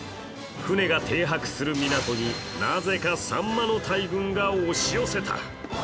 船が停泊する港になぜかさんまの大群が押し寄せた。